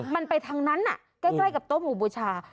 มันไปทางนั้นใกล้กับโต๊ะหมู่บูชา